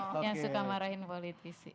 yang suka marahin politisi